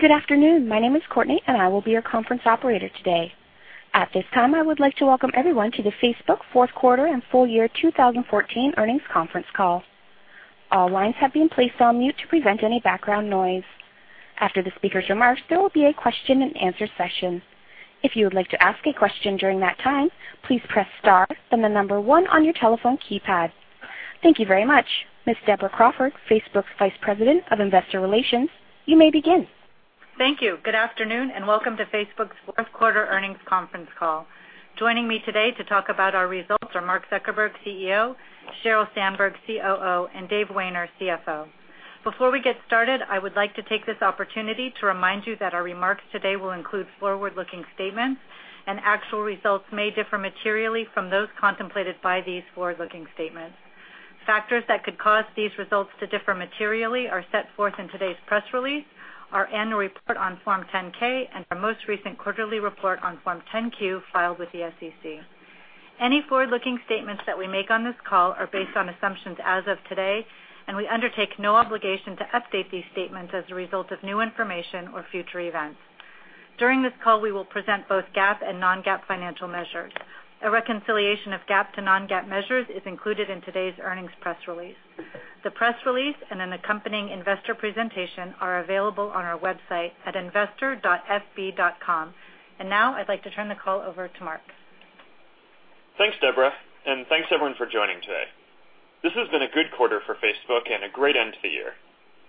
Good afternoon. My name is Courtney, and I will be your conference operator today. At this time, I would like to welcome everyone to the Facebook Fourth Quarter and Full Year 2014 Earnings Conference Call. All lines have been placed on mute to prevent any background noise. After the speaker's remarks, there will be a question and answer session. If you would like to ask a question during that time, please press star then the number 1 on your telephone keypad. Thank you very much. Ms. Deborah Crawford, Facebook's Vice President of Investor Relations, you may begin. Thank you. Good afternoon. Welcome to Facebook's fourth quarter earnings conference call. Joining me today to talk about our results are Mark Zuckerberg, CEO, Sheryl Sandberg, COO, and Dave Wehner, CFO. Before we get started, I would like to take this opportunity to remind you that our remarks today will include forward-looking statements. Actual results may differ materially from those contemplated by these forward-looking statements. Factors that could cause these results to differ materially are set forth in today's press release, our annual report on Form 10-K, and our most recent quarterly report on Form 10-Q filed with the SEC. Any forward-looking statements that we make on this call are based on assumptions as of today. We undertake no obligation to update these statements as a result of new information or future events. During this call, we will present both GAAP and non-GAAP financial measures. A reconciliation of GAAP to non-GAAP measures is included in today's earnings press release. The press release and an accompanying investor presentation are available on our website at investor.fb.com. Now I'd like to turn the call over to Mark. Thanks, Deborah. Thanks everyone for joining today. This has been a good quarter for Facebook. A great end to the year.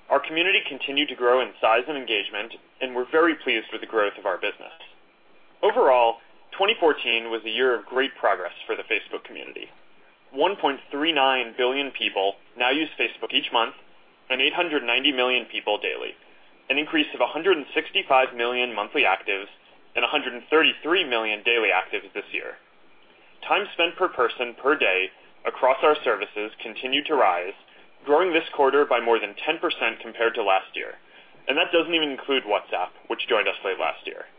Our community continued to grow in size and engagement. We're very pleased with the growth of our business. Overall, 2014 was a year of great progress for the Facebook community. 1.39 billion people now use Facebook each month and 890 million people daily. An increase of 165 million monthly actives and 133 million daily actives this year. Time spent per person per day across our services continued to rise, growing this quarter by more than 10% compared to last year. That doesn't even include WhatsApp, which joined us late last year.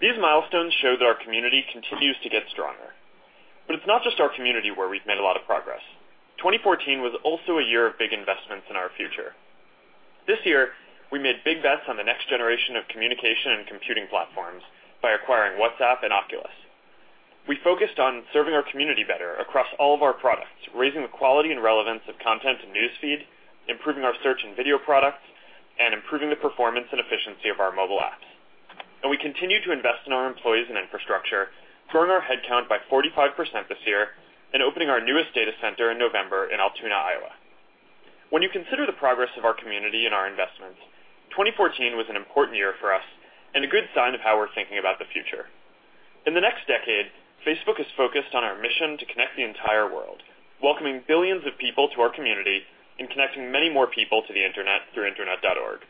These milestones show that our community continues to get stronger. It's not just our community where we've made a lot of progress. 2014 was also a year of big investments in our future. This year, we made big bets on the next generation of communication and computing platforms by acquiring WhatsApp and Oculus. We focused on serving our community better across all of our products, raising the quality and relevance of content in News Feed, improving our search and video products, and improving the performance and efficiency of our mobile apps. We continue to invest in our employees and infrastructure, growing our headcount by 45% this year and opening our newest data center in November in Altoona, Iowa. When you consider the progress of our community and our investments, 2014 was an important year for us and a good sign of how we're thinking about the future. In the next decade, Facebook is focused on our mission to connect the entire world, welcoming billions of people to our community and connecting many more people to the Internet through Internet.org.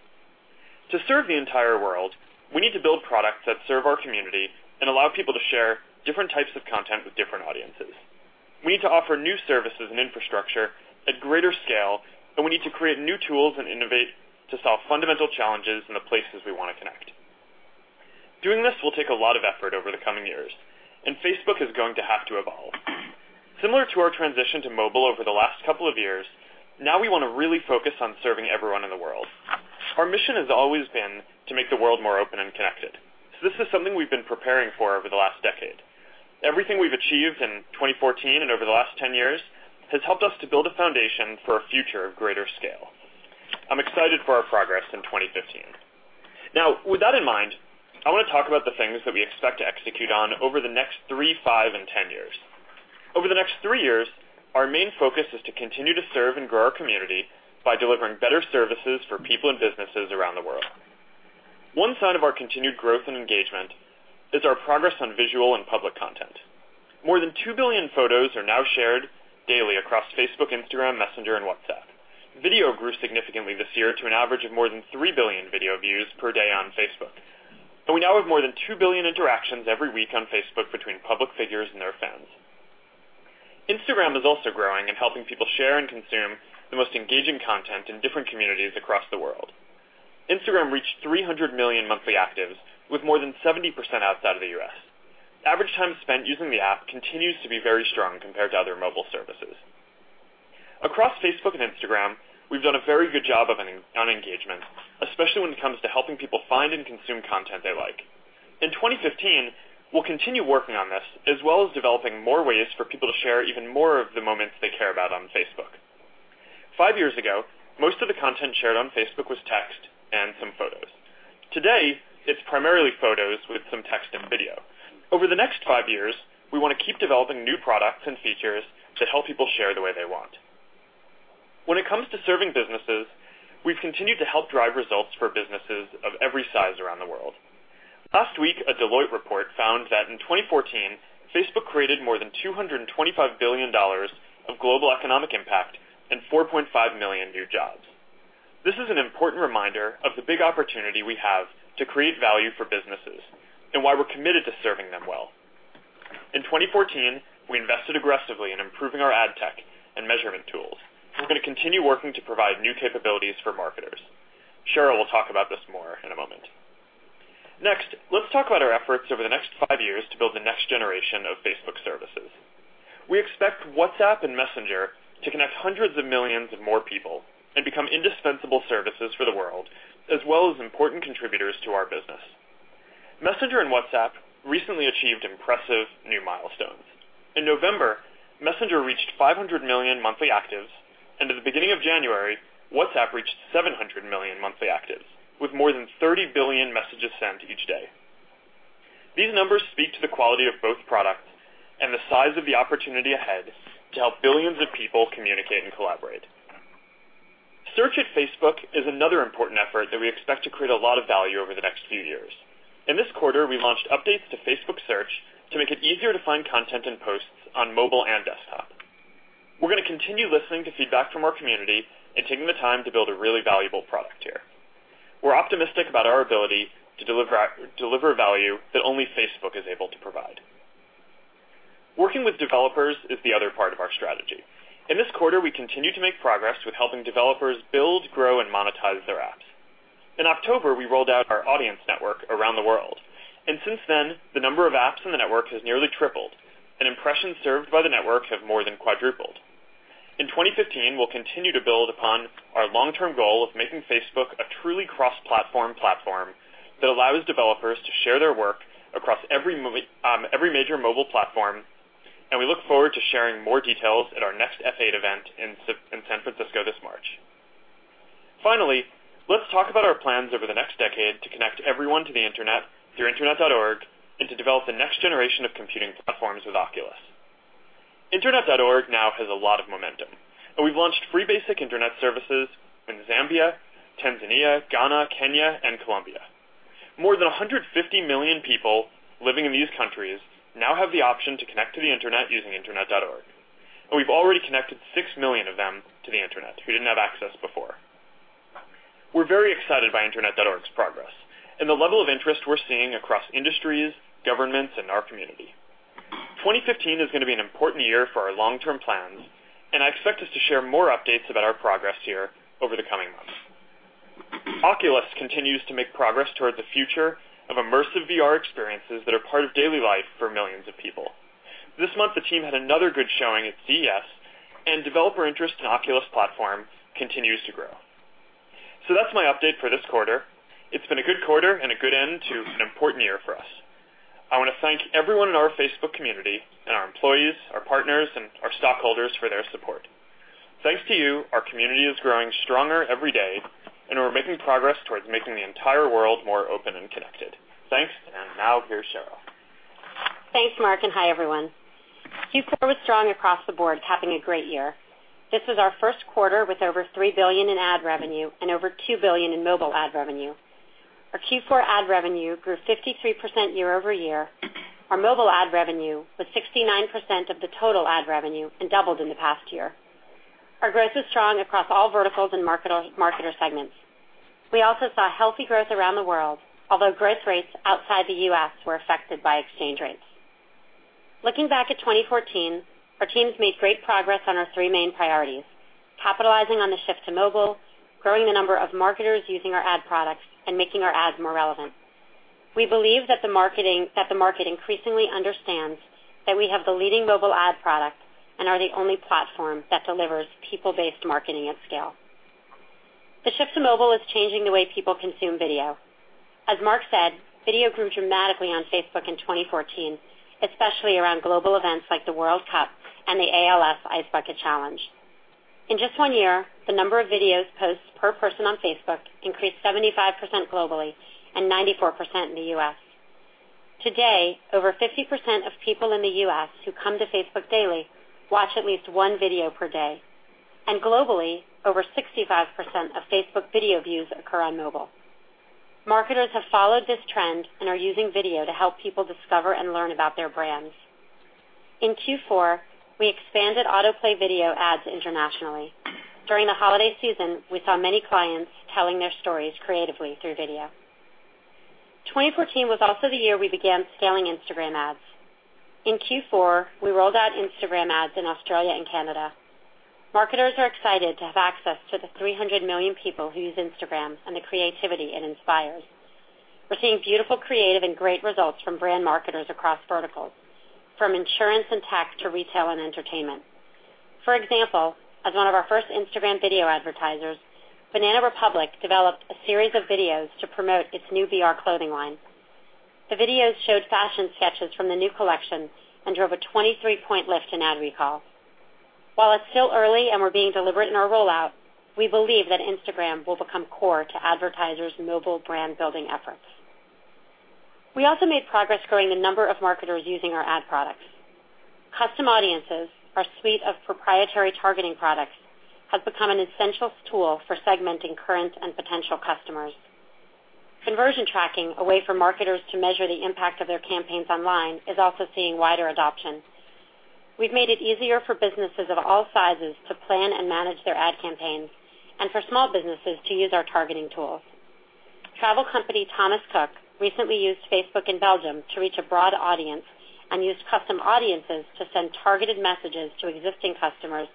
To serve the entire world, we need to build products that serve our community and allow people to share different types of content with different audiences. We need to offer new services and infrastructure at greater scale, and we need to create new tools and innovate to solve fundamental challenges in the places we want to connect. Doing this will take a lot of effort over the coming years, and Facebook is going to have to evolve. Similar to our transition to mobile over the last couple of years, now we want to really focus on serving everyone in the world. Our mission has always been to make the world more open and connected. This is something we've been preparing for over the last decade. Everything we've achieved in 2014 and over the last 10 years has helped us to build a foundation for a future of greater scale. I'm excited for our progress in 2015. Now, with that in mind, I want to talk about the things that we expect to execute on over the next three, five, and 10 years. Over the next three years, our main focus is to continue to serve and grow our community by delivering better services for people and businesses around the world. One sign of our continued growth and engagement is our progress on visual and public content. More than 2 billion photos are now shared daily across Facebook, Instagram, Messenger, and WhatsApp. Video grew significantly this year to an average of more than 3 billion video views per day on Facebook. We now have more than 2 billion interactions every week on Facebook between public figures and their fans. Instagram is also growing and helping people share and consume the most engaging content in different communities across the world. Instagram reached 300 million monthly actives, with more than 70% outside of the U.S. Average time spent using the app continues to be very strong compared to other mobile services. Across Facebook and Instagram, we've done a very good job on engagement, especially when it comes to helping people find and consume content they like. In 2015, we'll continue working on this, as well as developing more ways for people to share even more of the moments they care about on Facebook. Five years ago, most of the content shared on Facebook was text and some photos. Today, it's primarily photos with some text and video. Over the next five years, we want to keep developing new products and features that help people share the way they want. When it comes to serving businesses, we've continued to help drive results for businesses of every size around the world. Last week, a Deloitte report found that in 2014, Facebook created more than $225 billion of global economic impact and 4.5 million new jobs. This is an important reminder of the big opportunity we have to create value for businesses and why we're committed to serving them well. In 2014, we invested aggressively in improving our AdTech and measurement tools. We're going to continue working to provide new capabilities for marketers. Sheryl will talk about this more in a moment. Next, let's talk about our efforts over the next five years to build the next generation of Facebook services. We expect WhatsApp and Messenger to connect hundreds of millions of more people and become indispensable services for the world, as well as important contributors to our business. Messenger and WhatsApp recently achieved impressive new milestones. In November, Messenger reached 500 million monthly actives, and at the beginning of January, WhatsApp reached 700 million monthly actives, with more than 30 billion messages sent each day. These numbers speak to the quality of both products and the size of the opportunity ahead to help billions of people communicate and collaborate. Search at Facebook is another important effort that we expect to create a lot of value over the next few years. In this quarter, we launched updates to Facebook Search to make it easier to find content and posts on mobile and desktop. We're going to continue listening to feedback from our community and taking the time to build a really valuable product here. We're optimistic about our ability to deliver value that only Facebook is able to provide. Working with developers is the other part of our strategy. In this quarter, we continued to make progress with helping developers build, grow, and monetize their apps. Since then, the number of apps in the network has nearly tripled, and impressions served by the network have more than quadrupled. In 2015, we'll continue to build upon our long-term goal of making Facebook a truly cross-platform platform that allows developers to share their work across every major mobile platform. We look forward to sharing more details at our next F8 event in San Francisco this March. Finally, let's talk about our plans over the next decade to connect everyone to the internet through Internet.org and to develop the next generation of computing platforms with Oculus. Internet.org now has a lot of momentum. We've launched free basic internet services in Zambia, Tanzania, Ghana, Kenya, and Colombia. More than 150 million people living in these countries now have the option to connect to the internet using Internet.org. We've already connected 6 million of them to the internet who didn't have access before. We're very excited by Internet.org's progress and the level of interest we're seeing across industries, governments, and our community. 2015 is going to be an important year for our long-term plans. I expect us to share more updates about our progress here over the coming months. Oculus continues to make progress toward the future of immersive VR experiences that are part of daily life for millions of people. This month, the team had another good showing at CES, developer interest in Oculus platform continues to grow. That's my update for this quarter. It's been a good quarter and a good end to an important year for us. I want to thank everyone in our Facebook community, our employees, our partners, and our stockholders for their support. Thanks to you, our community is growing stronger every day, we're making progress towards making the entire world more open and connected. Thanks. Now here's Sheryl. Thanks, Mark, hi, everyone. Q4 was strong across the board, capping a great year. This was our first quarter with over $3 billion in ad revenue and over $2 billion in mobile ad revenue. Our Q4 ad revenue grew 53% year-over-year. Our mobile ad revenue was 69% of the total ad revenue and doubled in the past year. Our growth was strong across all verticals and marketer segments. We also saw healthy growth around the world, although growth rates outside the U.S. were affected by exchange rates. Looking back at 2014, our teams made great progress on our three main priorities: capitalizing on the shift to mobile, growing the number of marketers using our ad products, and making our ads more relevant. We believe that the market increasingly understands that we have the leading mobile ad product and are the only platform that delivers people-based marketing at scale. The shift to mobile is changing the way people consume video. As Mark said, video grew dramatically on Facebook in 2014, especially around global events like the World Cup and the ALS Ice Bucket Challenge. In just one year, the number of video posts per person on Facebook increased 75% globally and 94% in the U.S. Today, over 50% of people in the U.S. who come to Facebook daily watch at least one video per day, globally, over 65% of Facebook video views occur on mobile. Marketers have followed this trend and are using video to help people discover and learn about their brands. In Q4, we expanded autoplay video ads internationally. During the holiday season, we saw many clients telling their stories creatively through video. 2014 was also the year we began scaling Instagram ads. In Q4, we rolled out Instagram ads in Australia and Canada. Marketers are excited to have access to the 300 million people who use Instagram and the creativity it inspires. We're seeing beautiful creative and great results from brand marketers across verticals, from insurance and tech to retail and entertainment. For example, as one of our first Instagram video advertisers, Banana Republic developed a series of videos to promote its new BR clothing line. The videos showed fashion sketches from the new collection and drove a 23-point Lift in ad recall. While it's still early and we're being deliberate in our rollout, we believe that Instagram will become core to advertisers' mobile brand-building efforts. We also made progress growing the number of marketers using our ad products. Custom Audiences, our suite of proprietary targeting products, has become an essential tool for segmenting current and potential customers. Conversion tracking, a way for marketers to measure the impact of their campaigns online, is also seeing wider adoption. We've made it easier for businesses of all sizes to plan and manage their ad campaigns and for small businesses to use our targeting tools. Travel company Thomas Cook recently used Facebook in Belgium to reach a broad audience and used Custom Audiences to send targeted messages to existing customers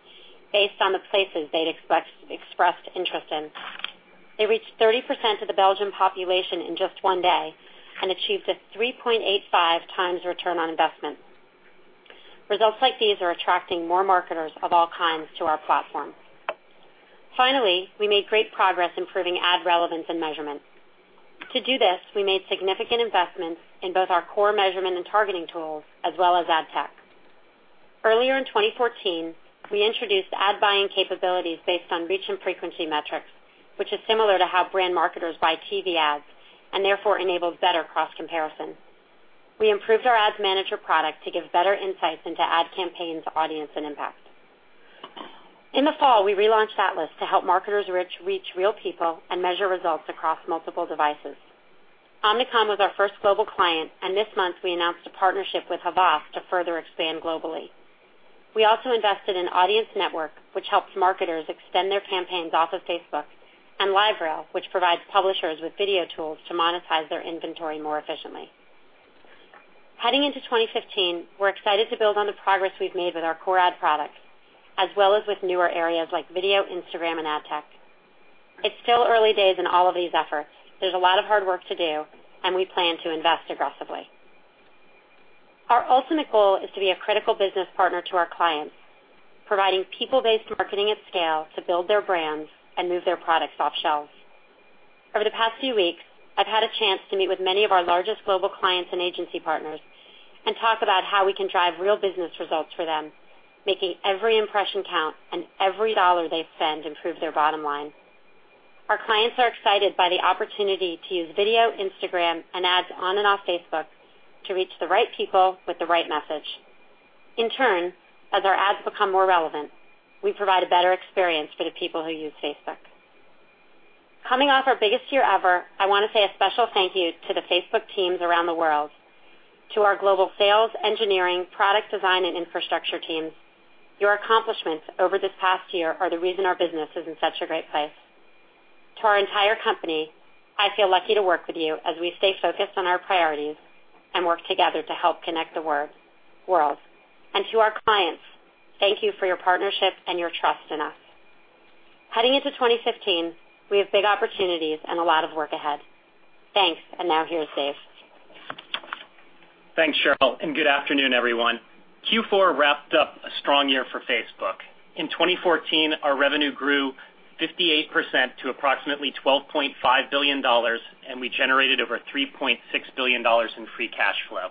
based on the places they'd expressed interest in. They reached 30% of the Belgian population in just one day and achieved a 3.85 times return on investment. Results like these are attracting more marketers of all kinds to our platform. Finally, we made great progress improving ad relevance and measurement. To do this, we made significant investments in both our core measurement and targeting tools, as well as AdTech. Earlier in 2014, we introduced ad buying capabilities based on reach and frequency metrics, which is similar to how brand marketers buy TV ads, and therefore enables better cross-comparison. We improved our ads manager product to give better insights into ad campaigns, audience, and impact. In the fall, we relaunched Atlas to help marketers reach real people and measure results across multiple devices. Omnicom was our first global client, and this month we announced a partnership with Havas to further expand globally. We also invested in Audience Network, which helps marketers extend their campaigns off of Facebook, and LiveRail, which provides publishers with video tools to monetize their inventory more efficiently. Heading into 2015, we're excited to build on the progress we've made with our core ad products as well as with newer areas like video, Instagram, and AdTech. It's still early days in all of these efforts. There's a lot of hard work to do, and we plan to invest aggressively. Our ultimate goal is to be a critical business partner to our clients, providing people-based marketing at scale to build their brands and move their products off shelves. Over the past few weeks, I've had a chance to meet with many of our largest global clients and agency partners and talk about how we can drive real business results for them, making every impression count and every dollar they spend improve their bottom line. Our clients are excited by the opportunity to use video, Instagram, and ads on and off Facebook to reach the right people with the right message. In turn, as our ads become more relevant, we provide a better experience for the people who use Facebook. Coming off our biggest year ever, I want to say a special thank you to the Facebook teams around the world, to our global sales, engineering, product design, and infrastructure teams. Your accomplishments over this past year are the reason our business is in such a great place. To our entire company, I feel lucky to work with you as we stay focused on our priorities and work together to help connect the world. To our clients, thank you for your partnership and your trust in us. Heading into 2015, we have big opportunities and a lot of work ahead. Thanks. Now, here's Dave. Thanks, Sheryl, and good afternoon, everyone. Q4 wrapped up a strong year for Facebook. In 2014, our revenue grew 58% to approximately $12.5 billion, and we generated over $3.6 billion in free cash flow.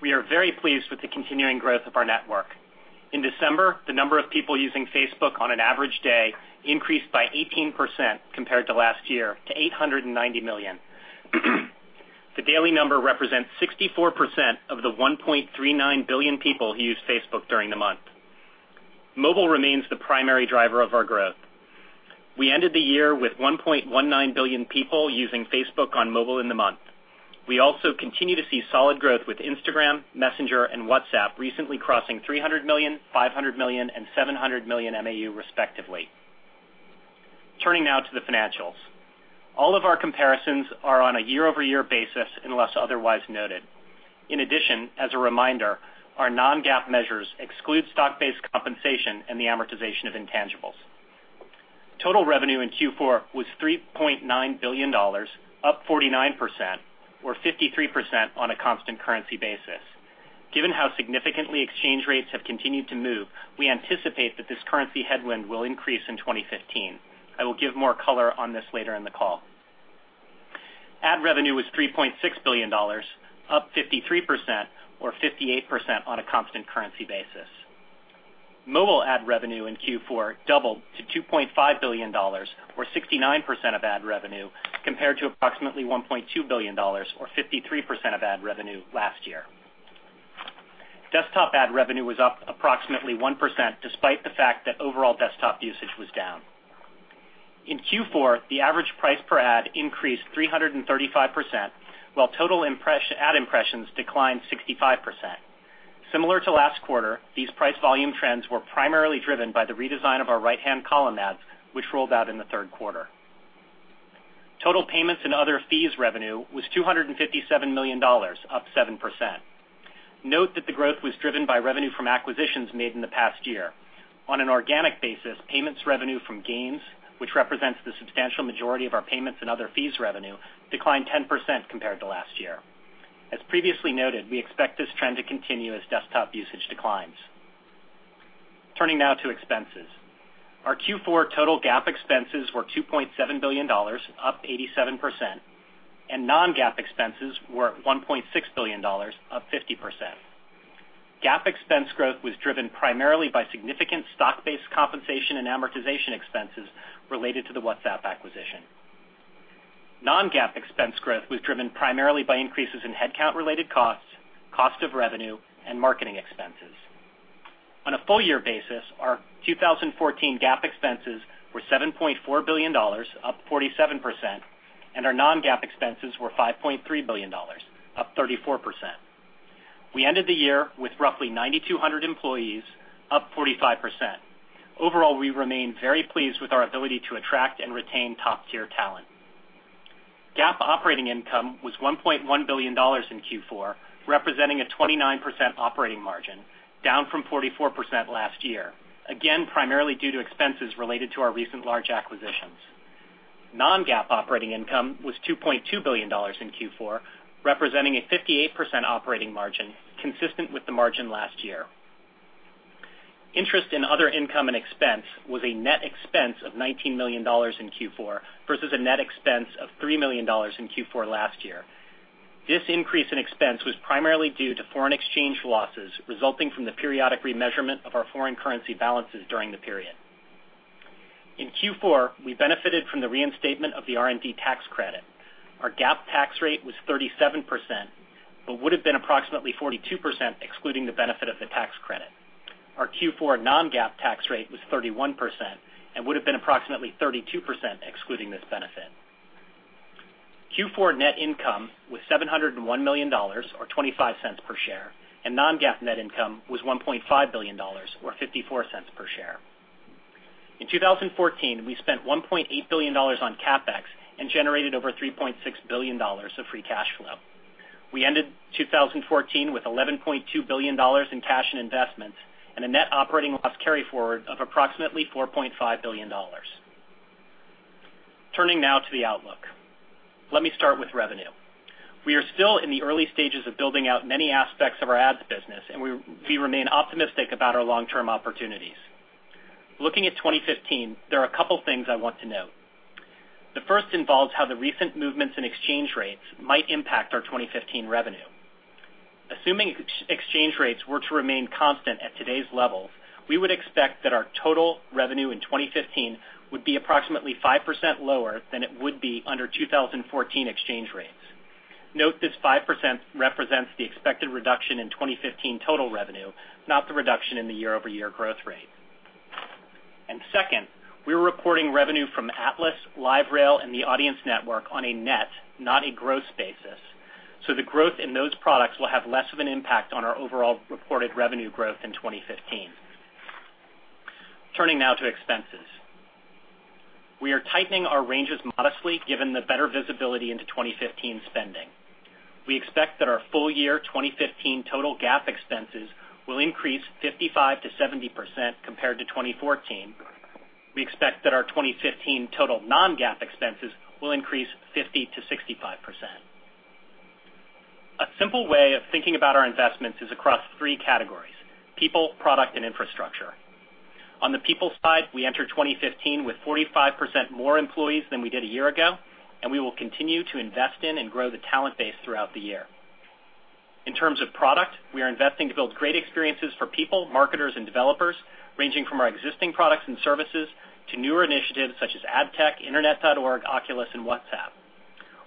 We are very pleased with the continuing growth of our network. In December, the number of people using Facebook on an average day increased by 18% compared to last year to 890 million. The daily number represents 64% of the 1.39 billion people who used Facebook during the month. Mobile remains the primary driver of our growth. We ended the year with 1.19 billion people using Facebook on mobile in the month. We also continue to see solid growth with Instagram, Messenger, and WhatsApp recently crossing 300 million, 500 million, and 700 million MAU respectively. Turning now to the financials. All of our comparisons are on a year-over-year basis unless otherwise noted. In addition, as a reminder, our non-GAAP measures exclude stock-based compensation and the amortization of intangibles. Total revenue in Q4 was $3.9 billion, up 49%, or 53% on a constant currency basis. Given how significantly exchange rates have continued to move, we anticipate that this currency headwind will increase in 2015. I will give more color on this later in the call. Ad revenue was $3.6 billion, up 53%, or 58% on a constant currency basis. Mobile ad revenue in Q4 doubled to $2.5 billion, or 69% of ad revenue, compared to approximately $1.2 billion, or 53% of ad revenue last year. Desktop ad revenue was up approximately 1%, despite the fact that overall desktop usage was down. In Q4, the average price per ad increased 335%, while total ad impressions declined 65%. Similar to last quarter, these price-volume trends were primarily driven by the redesign of our right-hand column ads, which rolled out in the third quarter. Total payments and other fees revenue was $257 million, up 7%. Note that the growth was driven by revenue from acquisitions made in the past year. On an organic basis, payments revenue from gains, which represents the substantial majority of our payments and other fees revenue, declined 10% compared to last year. As previously noted, we expect this trend to continue as desktop usage declines. Turning now to expenses. Our Q4 total GAAP expenses were $2.7 billion, up 87%, and non-GAAP expenses were at $1.6 billion, up 50%. GAAP expense growth was driven primarily by significant stock-based compensation and amortization expenses related to the WhatsApp acquisition. Non-GAAP expense growth was driven primarily by increases in headcount-related costs, cost of revenue, and marketing expenses. On a full year basis, our 2014 GAAP expenses were $7.4 billion, up 47%, and our non-GAAP expenses were $5.3 billion, up 34%. We ended the year with roughly 9,200 employees, up 45%. Overall, we remain very pleased with our ability to attract and retain top-tier talent. GAAP operating income was $1.1 billion in Q4, representing a 29% operating margin, down from 44% last year, again, primarily due to expenses related to our recent large acquisitions. Non-GAAP operating income was $2.2 billion in Q4, representing a 58% operating margin, consistent with the margin last year. Interest in other income and expense was a net expense of $19 million in Q4, versus a net expense of $3 million in Q4 last year. This increase in expense was primarily due to foreign exchange losses resulting from the periodic remeasurement of our foreign currency balances during the period. In Q4, we benefited from the reinstatement of the R&D tax credit. Our GAAP tax rate was 37%, but would've been approximately 42%, excluding the benefit of the tax credit. Our Q4 non-GAAP tax rate was 31% and would've been approximately 32% excluding this benefit. Q4 net income was $701 million, or $0.25 per share, and non-GAAP net income was $1.5 billion or $0.54 per share. In 2014, we spent $1.8 billion on CapEx and generated over $3.6 billion of free cash flow. We ended 2014 with $11.2 billion in cash and investments and a net operating loss carry-forward of approximately $4.5 billion. Turning now to the outlook. Let me start with revenue. We are still in the early stages of building out many aspects of our ads business, we remain optimistic about our long-term opportunities. Looking at 2015, there are a couple things I want to note. The first involves how the recent movements in exchange rates might impact our 2015 revenue. Assuming exchange rates were to remain constant at today's levels, we would expect that our total revenue in 2015 would be approximately 5% lower than it would be under 2014 exchange rates. Note this 5% represents the expected reduction in 2015 total revenue, not the reduction in the year-over-year growth rate. Second, we're reporting revenue from Atlas, LiveRail, and the Audience Network on a net, not a gross basis. The growth in those products will have less of an impact on our overall reported revenue growth in 2015. Turning now to expenses. We are tightening our ranges modestly, given the better visibility into 2015 spending. We expect that our full-year 2015 total GAAP expenses will increase 55%-70% compared to 2014. We expect that our 2015 total non-GAAP expenses will increase 50%-65%. A simple way of thinking about our investments is across three categories: people, product, and infrastructure. On the people side, we enter 2015 with 45% more employees than we did a year ago, and we will continue to invest in and grow the talent base throughout the year. In terms of product, we are investing to build great experiences for people, marketers, and developers, ranging from our existing products and services to newer initiatives such as AdTech, Internet.org, Oculus, and WhatsApp.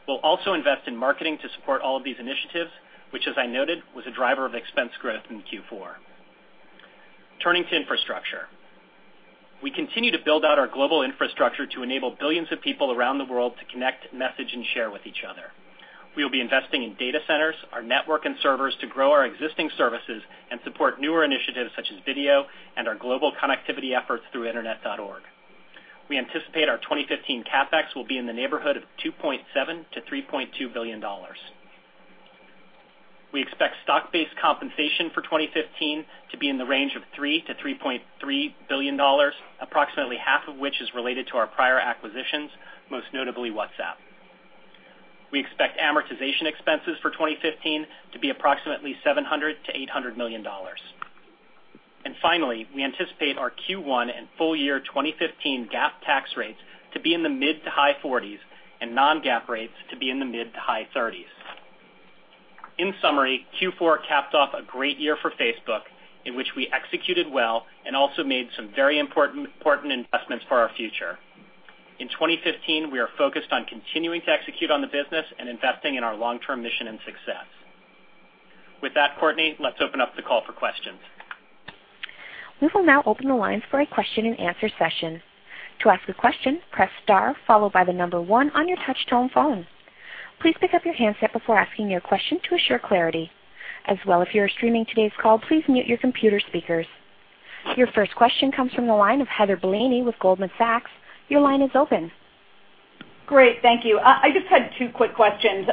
We'll also invest in marketing to support all of these initiatives, which as I noted, was a driver of expense growth in Q4. Turning to infrastructure. We continue to build out our global infrastructure to enable billions of people around the world to connect, message, and share with each other. We will be investing in data centers, our network and servers to grow our existing services and support newer initiatives such as video and our global connectivity efforts through Internet.org. We anticipate our 2015 CapEx will be in the neighborhood of $2.7 billion-$3.2 billion. We expect stock-based compensation for 2015 to be in the range of $3 billion-$3.3 billion, approximately half of which is related to our prior acquisitions, most notably WhatsApp. We expect amortization expenses for 2015 to be approximately $700 million-$800 million. Finally, we anticipate our Q1 and full year 2015 GAAP tax rates to be in the mid to high 40s and non-GAAP rates to be in the mid to high 30s. In summary, Q4 capped off a great year for Facebook in which we executed well and also made some very important investments for our future. In 2015, we are focused on continuing to execute on the business and investing in our long-term mission and success. With that, Courtney, let's open up the call for questions. We will now open the lines for a question and answer session. To ask a question, press star followed by the number 1 on your touch-tone phone. Please pick up your handset before asking your question to assure clarity. As well, if you're streaming today's call, please mute your computer speakers. Your first question comes from the line of Heather Bellini with Goldman Sachs. Your line is open. Great. Thank you. I just had two quick questions.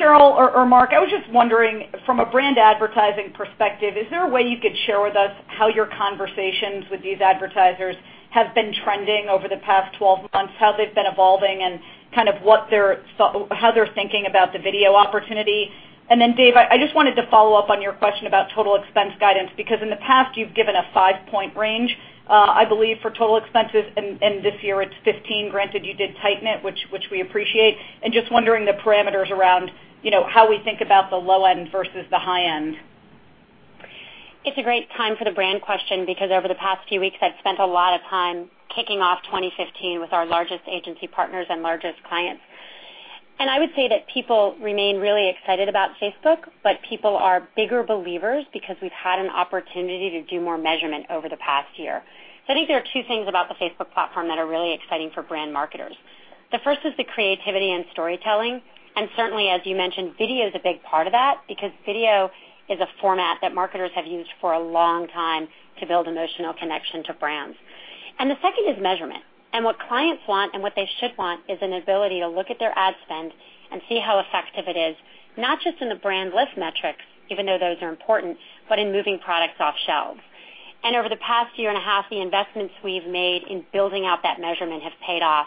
Sheryl or Mark, I was just wondering, from a brand advertising perspective, is there a way you could share with us how your conversations with these advertisers have been trending over the past 12 months, how they've been evolving, and how they're thinking about the video opportunity? Then Dave, I just wanted to follow up on your question about total expense guidance, because in the past you've given a five-point range, I believe, for total expenses, and this year it's 15. Granted, you did tighten it, which we appreciate. I'm just wondering the parameters around how we think about the low end versus the high end. It's a great time for the brand question because over the past few weeks, I've spent a lot of time kicking off 2015 with our largest agency partners and largest clients. I would say that people remain really excited about Facebook, people are bigger believers because we've had an opportunity to do more measurement over the past year. I think there are two things about the Facebook platform that are really exciting for brand marketers. The first is the creativity and storytelling, certainly, as you mentioned, video is a big part of that because video is a format that marketers have used for a long time to build emotional connection to brands. The second is measurement. What clients want and what they should want is an ability to look at their ad spend and see how effective it is, not just in the brand Lift metrics, even though those are important, but in moving products off shelves. Over the past year and a half, the investments we've made in building out that measurement have paid off.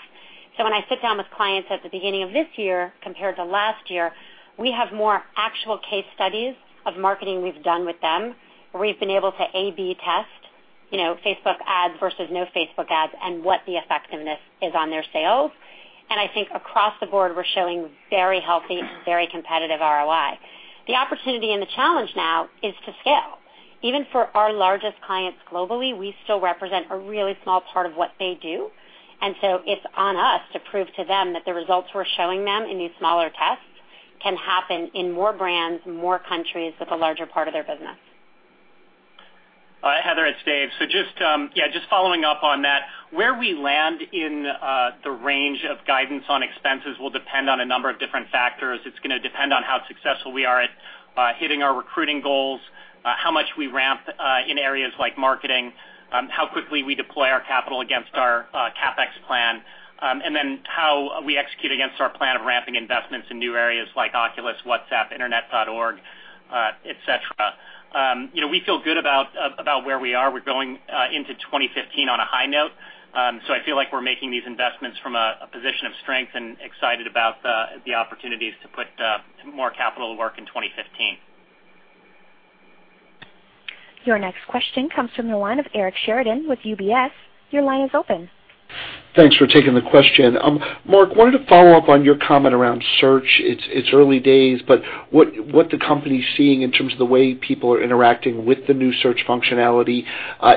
When I sit down with clients at the beginning of this year compared to last year, we have more actual case studies of marketing we've done with them, where we've been able to A/B test Facebook ads versus no Facebook ads, and what the effectiveness is on their sales. I think across the board, we're showing very healthy, very competitive ROI. The opportunity and the challenge now is to scale. Even for our largest clients globally, we still represent a really small part of what they do. It's on us to prove to them that the results we're showing them in these smaller tests can happen in more brands, in more countries with a larger part of their business. Heather, it's Dave. Just following up on that, where we land in the range of guidance on expenses will depend on a number of different factors. It's going to depend on how successful we are at hitting our recruiting goals, how much we ramp in areas like marketing, how quickly we deploy our capital against our CapEx plan, how we execute against our plan of ramping investments in new areas like Oculus, WhatsApp, Internet.org, et cetera. We feel good about where we are. We're going into 2015 on a high note. I feel like we're making these investments from a position of strength and excited about the opportunities to put more capital to work in 2015. Your next question comes from the line of Eric Sheridan with UBS. Your line is open. Thanks for taking the question. Mark, wanted to follow up on your comment around search. It's early days, but what the company's seeing in terms of the way people are interacting with the new search functionality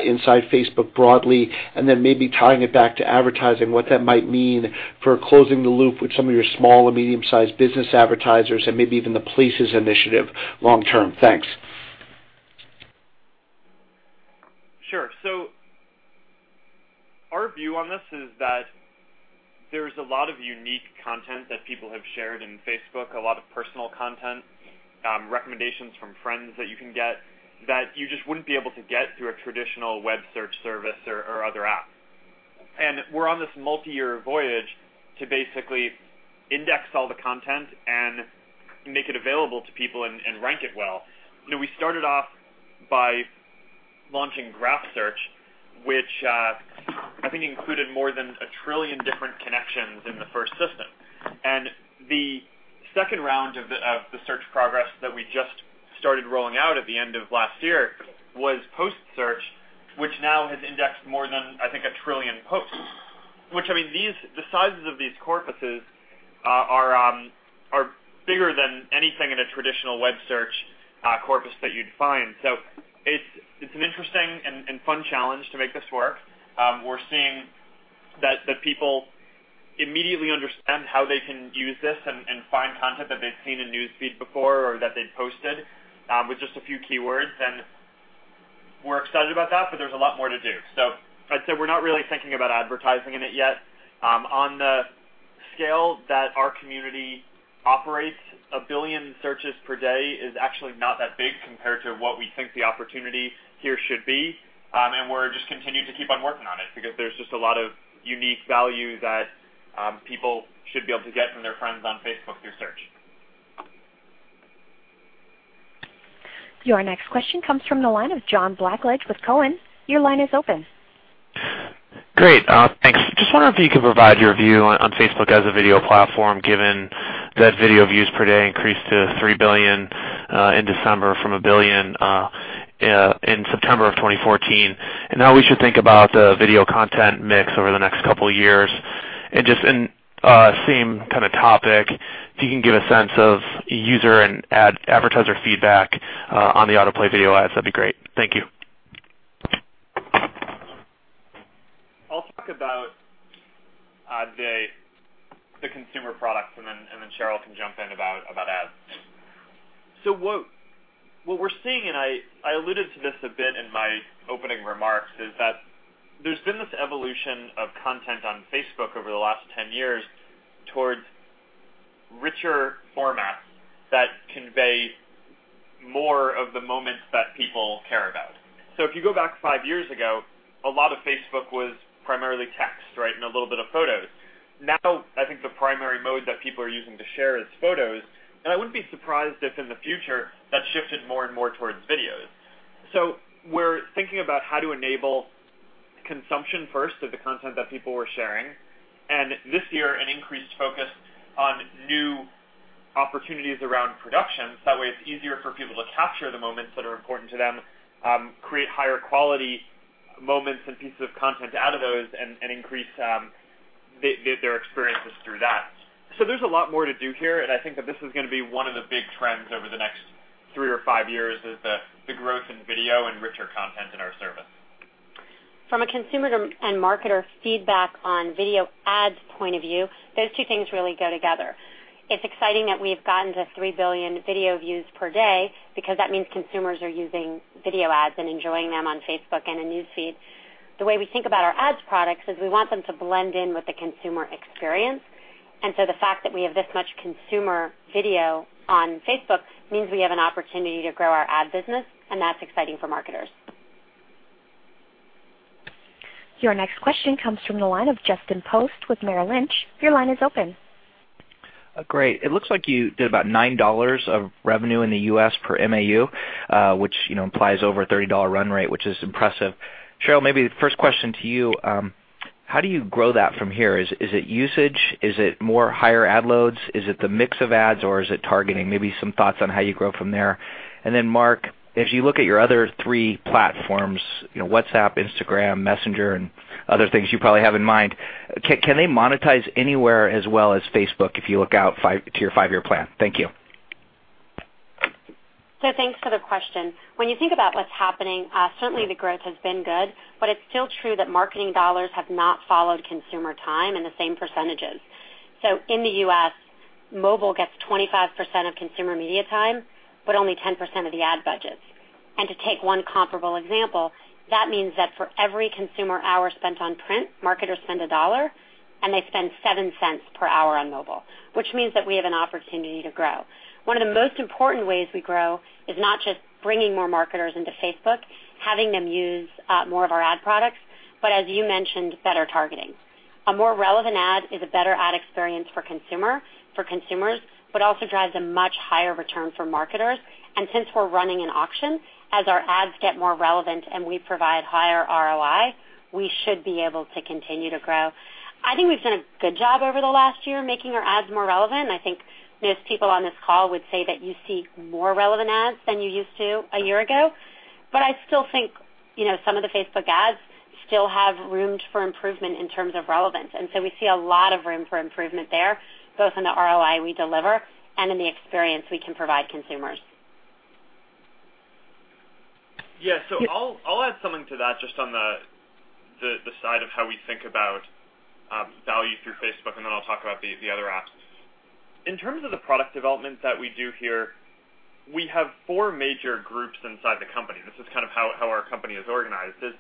inside Facebook broadly, and then maybe tying it back to advertising, what that might mean for closing the loop with some of your small and medium-sized business advertisers and maybe even the Places initiative long term. Thanks. Sure. Our view on this is that there's a lot of unique content that people have shared in Facebook, a lot of personal content, recommendations from friends that you can get, that you just wouldn't be able to get through a traditional web search service or other app. We're on this multi-year voyage to basically index all the content and make it available to people and rank it well. We started off by launching Graph Search, which I think included more than a trillion different connections in the first system. The second round of the search progress that we just started rolling out at the end of last year was Post Search, which now has indexed more than, I think, a trillion posts, which, I mean, the sizes of these corpuses are bigger than anything in a traditional web search corpus that you'd find. It's an interesting and fun challenge to make this work. We're seeing that people immediately understand how they can use this and find content that they've seen in News Feed before or that they've posted with just a few keywords. We're excited about that, but there's a lot more to do. I'd say we're not really thinking about advertising in it yet. On the scale that our community operates, a billion searches per day is actually not that big compared to what we think the opportunity here should be, and we're just continuing to keep on working on it because there's just a lot of unique value that people should be able to get from their friends on Facebook through search. Your next question comes from the line of John Blackledge with Cowen. Your line is open. Great. Thanks. Just wondering if you could provide your view on Facebook as a video platform, given that video views per day increased to 3 billion in December from 1 billion in September of 2014, and how we should think about the video content mix over the next couple of years. Just in same kind of topic, if you can give a sense of user and advertiser feedback on the autoplay video ads, that'd be great. Thank you. I'll talk about the consumer products, and then Sheryl can jump in about ads. What we're seeing, and I alluded to this a bit in my opening remarks, is that there's been this evolution of content on Facebook over the last 10 years towards richer formats that convey more of the moments that people care about. If you go back five years ago, a lot of Facebook was primarily text, right, and a little bit of photos. Now, I think the primary mode that people are using to share is photos, and I wouldn't be surprised if in the future, that shifted more and more towards videos. We're thinking about how to enable consumption first of the content that people were sharing. This year, an increased focus on new opportunities around production. That way it's easier for people to capture the moments that are important to them, create higher quality moments and pieces of content out of those, and increase their experiences through that. There's a lot more to do here, and I think that this is going to be one of the big trends over the next three or five years, is the growth in video and richer content in our service. From a consumer and marketer feedback on video ads point of view, those two things really go together. It's exciting that we've gotten to 3 billion video views per day because that means consumers are using video ads and enjoying them on Facebook and in News Feed. The way we think about our ads products is we want them to blend in with the consumer experience. The fact that we have this much consumer video on Facebook means we have an opportunity to grow our ad business, and that's exciting for marketers. Your next question comes from the line of Justin Post with Merrill Lynch. Your line is open. Great. It looks like you did about $9 of revenue in the U.S. per MAU, which implies over a $30 run rate, which is impressive. Sheryl, maybe the first question to you, how do you grow that from here? Is it usage? Is it more higher ad loads? Is it the mix of ads, or is it targeting? Maybe some thoughts on how you grow from there. Mark, as you look at your other three platforms, WhatsApp, Instagram, Messenger, and other things you probably have in mind, can they monetize anywhere as well as Facebook if you look out to your five-year plan? Thank you. Thanks for the question. When you think about what's happening, certainly the growth has been good, but it's still true that marketing dollars have not followed consumer time in the same percentages. In the U.S., mobile gets 25% of consumer media time, but only 10% of the ad budgets. To take one comparable example, that means that for every consumer hour spent on print, marketers spend $1, and they spend $0.07 per hour on mobile, which means that we have an opportunity to grow. One of the most important ways we grow is not just bringing more marketers into Facebook, having them use more of our ad products, but as you mentioned, better targeting. A more relevant ad is a better ad experience for consumers, but also drives a much higher return for marketers. Since we're running an auction, as our ads get more relevant and we provide higher ROI, we should be able to continue to grow. I think we've done a good job over the last year making our ads more relevant. I think most people on this call would say that you see more relevant ads than you used to a year ago. I still think some of the Facebook ads still have room for improvement in terms of relevance. We see a lot of room for improvement there, both in the ROI we deliver and in the experience we can provide consumers. I'll add something to that just on the side of how we think about value through Facebook, then I'll talk about the other apps. In terms of the product development that we do here, we have 4 major groups inside the company. This is kind of how our company is organized, is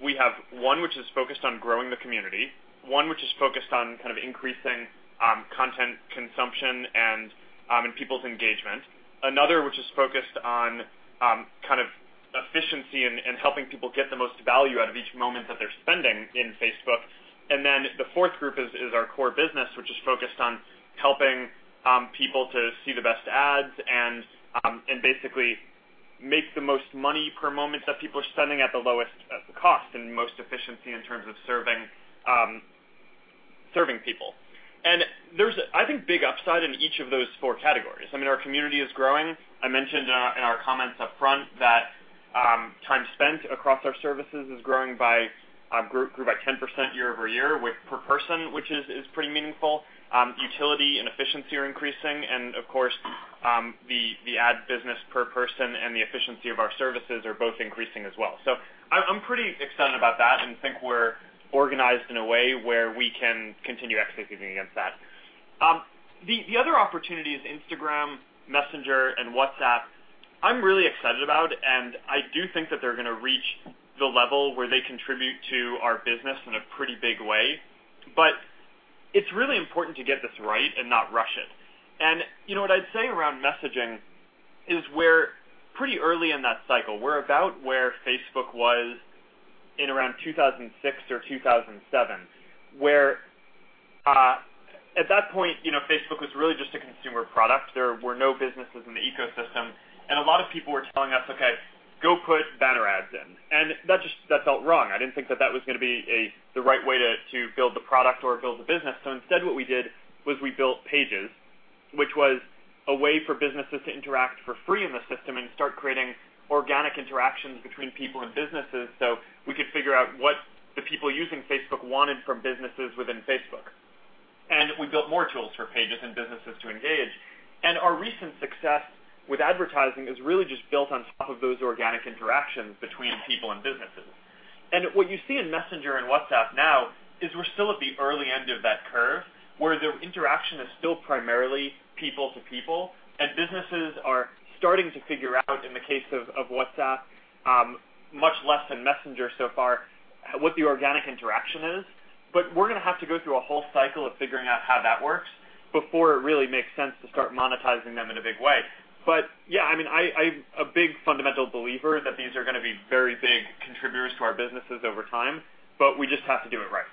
we have 1 which is focused on growing the community, 1 which is focused on kind of increasing content consumption and people's engagement. Another which is focused on efficiency and helping people get the most value out of each moment that they're spending in Facebook. The fourth group is our core business, which is focused on helping people to see the best ads and basically make the most money per moment that people are spending at the lowest cost and most efficiency in terms of serving people. There's, I think, big upside in each of those 4 categories. I mean, our community is growing. I mentioned in our comments up front that time spent across our services grew by 10% year-over-year per person, which is pretty meaningful. Utility and efficiency are increasing. Of course, the ad business per person and the efficiency of our services are both increasing as well. I'm pretty excited about that and think we're organized in a way where we can continue executing against that. The other opportunity is Instagram, Messenger, and WhatsApp. I'm really excited about, and I do think that they're going to reach the level where they contribute to our business in a pretty big way. It's really important to get this right and not rush it. What I'd say around messaging is we're pretty early in that cycle. We're about where Facebook was in around 2006 or 2007. At that point, Facebook was really just a consumer product. There were no businesses in the ecosystem, and a lot of people were telling us, "Okay, go put banner ads in." That felt wrong. I didn't think that was going to be the right way to build the product or build the business. Instead, what we did was we built Pages, which was a way for businesses to interact for free in the system and start creating organic interactions between people and businesses so we could figure out what the people using Facebook wanted from businesses within Facebook. We built more tools for Pages and businesses to engage. Our recent success with advertising is really just built on top of those organic interactions between people and businesses. What you see in Messenger and WhatsApp now is we're still at the early end of that curve, where the interaction is still primarily people to people, and businesses are starting to figure out, in the case of WhatsApp, much less than Messenger so far, what the organic interaction is. We're going to have to go through a whole cycle of figuring out how that works before it really makes sense to start monetizing them in a big way. Yeah, I'm a big fundamental believer that these are going to be very big contributors to our businesses over time, but we just have to do it right.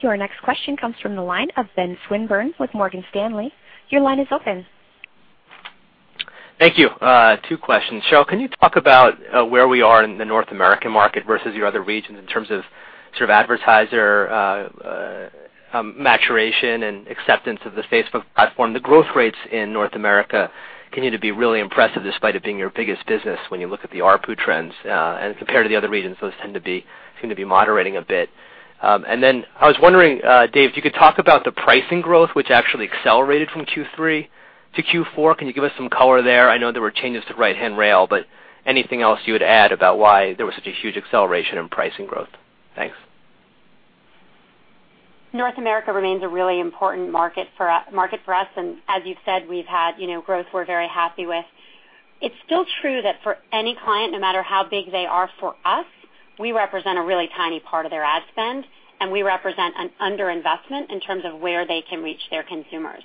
Your next question comes from the line of Benjamin Swinburne with Morgan Stanley. Your line is open. Thank you. Two questions. Sheryl, can you talk about where we are in the North American market versus your other regions in terms of sort of advertiser maturation and acceptance of the Facebook platform? The growth rates in North America continue to be really impressive, despite it being your biggest business when you look at the ARPU trends. Compared to the other regions, those tend to be moderating a bit. Then I was wondering, Dave, if you could talk about the pricing growth, which actually accelerated from Q3 to Q4. Can you give us some color there? I know there were changes to right-hand rail, but anything else you would add about why there was such a huge acceleration in pricing growth? Thanks. North America remains a really important market for us, as you've said, we've had growth we're very happy with. It's still true that for any client, no matter how big they are for us, we represent a really tiny part of their ad spend, and we represent an underinvestment in terms of where they can reach their consumers.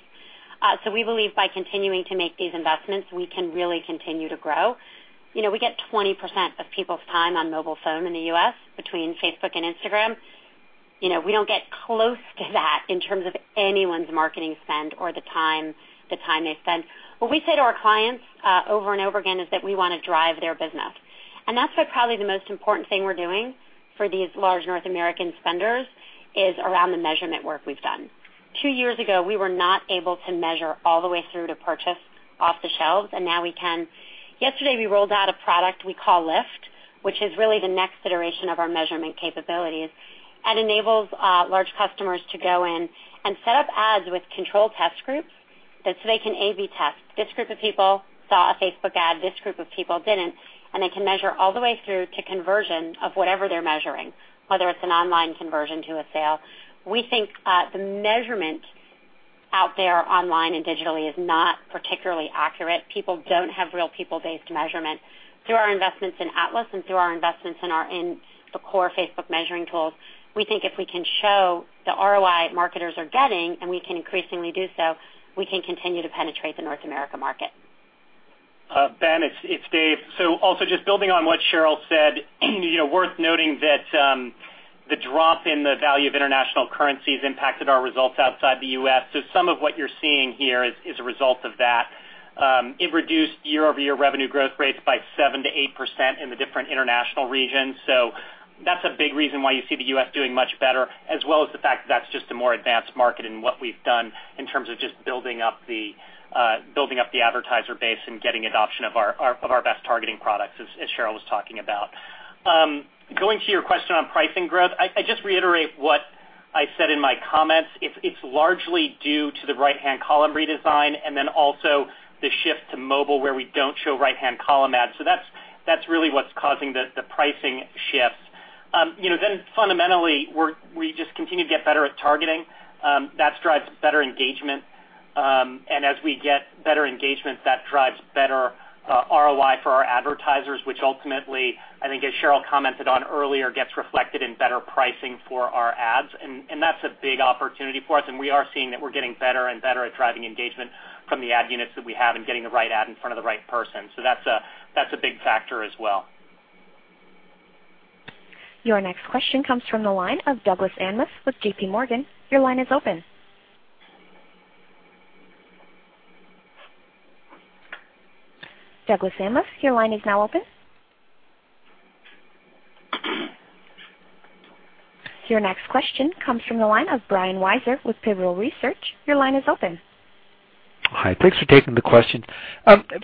We believe by continuing to make these investments, we can really continue to grow. We get 20% of people's time on mobile phone in the U.S. between Facebook and Instagram. We don't get close to that in terms of anyone's marketing spend or the time they spend. What we say to our clients over and over again is that we want to drive their business. That's why probably the most important thing we're doing for these large North American spenders is around the measurement work we've done. Two years ago, we were not able to measure all the way through to purchase off the shelves, and now we can. Yesterday, we rolled out a product we call Lift, which is really the next iteration of our measurement capabilities and enables large customers to go in and set up ads with controlled test groups so they can A/B test. This group of people saw a Facebook ad, this group of people didn't, and they can measure all the way through to conversion of whatever they're measuring, whether it's an online conversion to a sale. We think the measurement out there online and digitally is not particularly accurate. People don't have real people-based measurement. Through our investments in Atlas and through our investments in the core Facebook measuring tools, we think if we can show the ROI marketers are getting, and we can increasingly do so, we can continue to penetrate the North America market. Ben, it's Dave. Also just building on what Sheryl said, worth noting that the drop in the value of international currencies impacted our results outside the U.S. Some of what you're seeing here is a result of that. It reduced year-over-year revenue growth rates by 7%-8% in the different international regions. That's a big reason why you see the U.S. doing much better, as well as the fact that that's just a more advanced market and what we've done in terms of just building up the advertiser base and getting adoption of our best targeting products, as Sheryl was talking about. Going to your question on pricing growth, I just reiterate what I said in my comments. It's largely due to the right-hand column redesign and also the shift to mobile, where we don't show right-hand column ads. That's really what's causing the pricing shift. Fundamentally, we just continue to get better at targeting. That drives better engagement, and as we get better engagement, that drives better ROI for our advertisers, which ultimately, I think as Sheryl commented on earlier, gets reflected in better pricing for our ads. That's a big opportunity for us, and we are seeing that we're getting better and better at driving engagement from the ad units that we have and getting the right ad in front of the right person. That's a big factor as well. Your next question comes from the line of Douglas Anmuth with JPMorgan. Your line is open. Douglas Anmuth, your line is now open. Your next question comes from the line of Brian Wieser with Pivotal Research. Your line is open. Hi. Thanks for taking the question.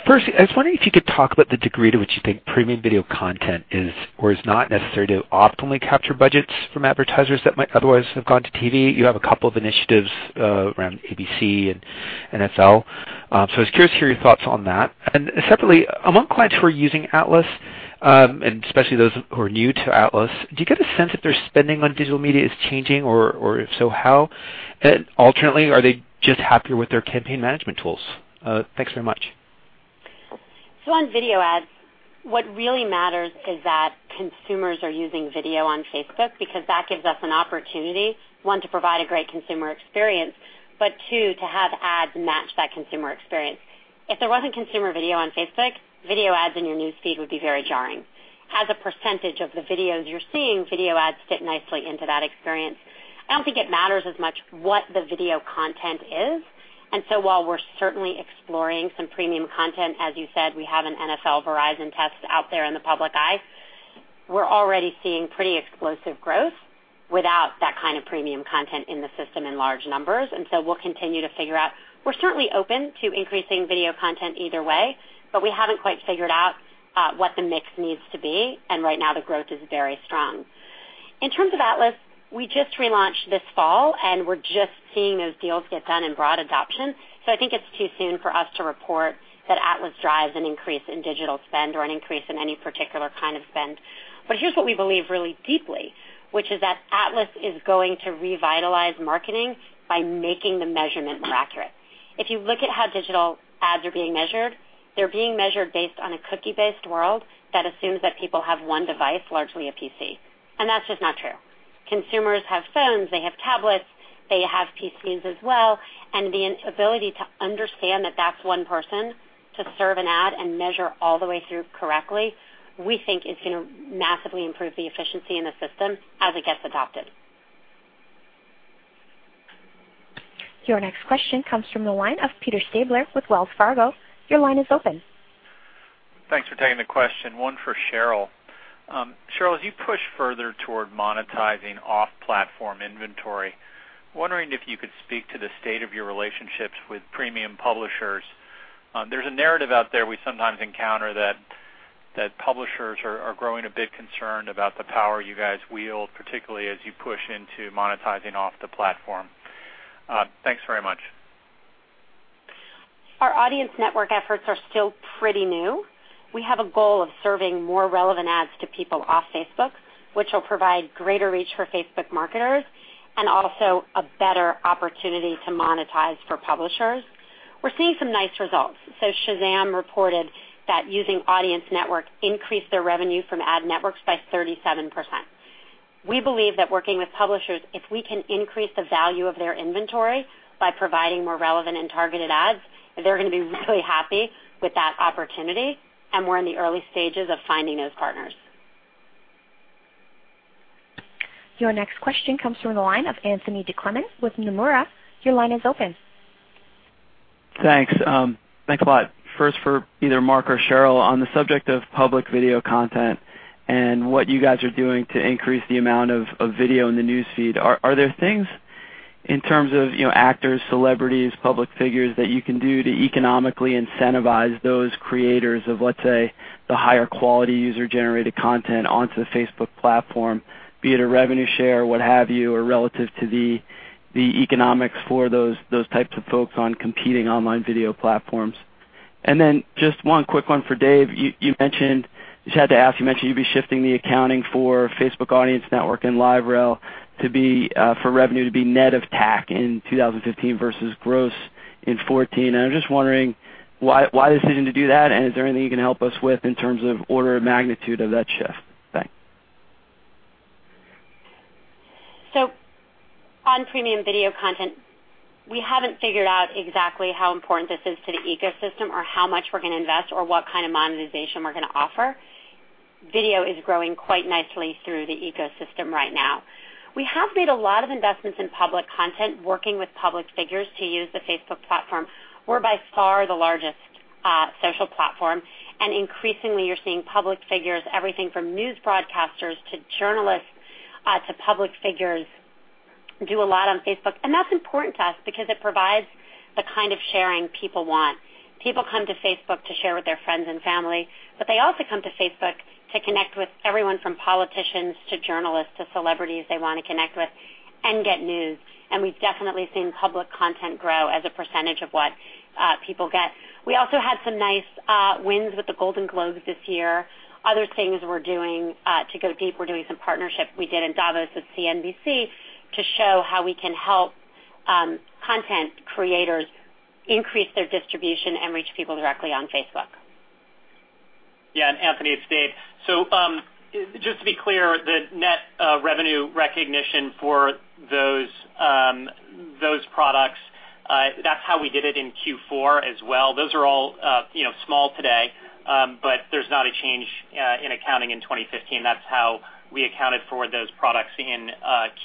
First, I was wondering if you could talk about the degree to which you think premium video content is or is not necessary to optimally capture budgets from advertisers that might otherwise have gone to TV. You have a couple of initiatives around ABC and NFL. I was curious to hear your thoughts on that. Separately, among clients who are using Atlas, and especially those who are new to Atlas, do you get a sense if their spending on digital media is changing, or if so, how? Alternatively, are they just happier with their campaign management tools? Thanks very much. On video ads, what really matters is that consumers are using video on Facebook because that gives us an opportunity, one, to provide a great consumer experience, but two, to have ads match that consumer experience. If there wasn't consumer video on Facebook, video ads in your News Feed would be very jarring. As a percentage of the videos you're seeing, video ads fit nicely into that experience. I don't think it matters as much what the video content is. While we're certainly exploring some premium content, as you said, we have an NFL Verizon test out there in the public eye. We're already seeing pretty explosive growth without that kind of premium content in the system in large numbers. We'll continue to figure out. We're certainly open to increasing video content either way. We haven't quite figured out what the mix needs to be, and right now the growth is very strong. In terms of Atlas, we just relaunched this fall. We're just seeing those deals get done in broad adoption. I think it's too soon for us to report that Atlas drives an increase in digital spend or an increase in any particular kind of spend. Here's what we believe really deeply, which is that Atlas is going to revitalize marketing by making the measurement more accurate. If you look at how digital ads are being measured, they're being measured based on a cookie-based world that assumes that people have one device, largely a PC, and that's just not true. Consumers have phones, they have tablets, they have PCs as well, the ability to understand that that's one person to serve an ad and measure all the way through correctly, we think is going to massively improve the efficiency in the system as it gets adopted. Your next question comes from the line of Peter Stabler with Wells Fargo. Your line is open. Thanks for taking the question. One for Sheryl. Sheryl, as you push further toward monetizing off-platform inventory, wondering if you could speak to the state of your relationships with premium publishers. There's a narrative out there we sometimes encounter that publishers are growing a bit concerned about the power you guys wield, particularly as you push into monetizing off the platform. Thanks very much. Our Audience Network efforts are still pretty new. We have a goal of serving more relevant ads to people off Facebook, which will provide greater reach for Facebook marketers and also a better opportunity to monetize for publishers. We're seeing some nice results. Shazam reported that using Audience Network increased their revenue from ad networks by 37%. We believe that working with publishers, if we can increase the value of their inventory by providing more relevant and targeted ads, they're going to be really happy with that opportunity, we're in the early stages of finding those partners. Your next question comes from the line of Anthony DiClemente with Nomura. Your line is open. Thanks. First for either Mark or Sheryl, on the subject of public video content and what you guys are doing to increase the amount of video in the News Feed. Are there things in terms of actors, celebrities, public figures that you can do to economically incentivize those creators of, let's say, the higher quality user-generated content onto the Facebook platform, be it a revenue share, what have you, or relative to the economics for those types of folks on competing online video platforms? Then just one quick one for Dave. Just had to ask, you mentioned you'd be shifting the accounting for Facebook Audience Network and LiveRail for revenue to be net of TAC in 2015 versus gross in 2014. I'm just wondering why the decision to do that, and is there anything you can help us with in terms of order of magnitude of that shift? Thanks. On premium video content, we haven't figured out exactly how important this is to the ecosystem or how much we're going to invest or what kind of monetization we're going to offer. Video is growing quite nicely through the ecosystem right now. We have made a lot of investments in public content, working with public figures to use the Facebook platform. We're by far the largest social platform, and increasingly you're seeing public figures, everything from news broadcasters to journalists to public figures do a lot on Facebook. That's important to us because it provides the kind of sharing people want. People come to Facebook to share with their friends and family, but they also come to Facebook to connect with everyone from politicians to journalists to celebrities they want to connect with and get news. We've definitely seen public content grow as a percentage of what people get. We also had some nice wins with the Golden Globes this year. Other things we're doing to go deep, we're doing some partnerships we did in Davos with CNBC to show how we can help content creators increase their distribution and reach people directly on Facebook. Anthony, it's Dave. Just to be clear, the net revenue recognition for those products, that's how we did it in Q4 as well. Those are all small today. There's not a change in accounting in 2015. That's how we accounted for those products in